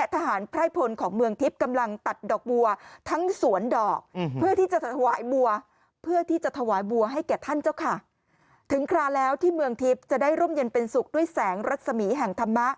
คราวแล้วที่เมืองทิพย์จะได้ร่มเย็นเป็นสุขด้วยแสงรัศมีแห่งธรรมะ